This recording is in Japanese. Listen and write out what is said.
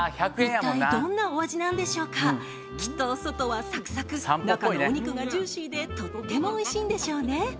一体どんなお味なんでしょうかきっと外はサクサク中のお肉がジューシーでとってもおいしいんでしょうね